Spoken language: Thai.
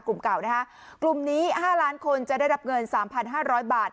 กลุ่มเก่านะคะกลุ่มนี้๕ล้านคนจะได้รับเงิน๓๕๐๐บาท